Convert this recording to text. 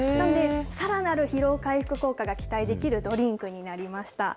さらなる疲労回復効果が期待できるドリンクになりました。